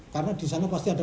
karena disana pasti ada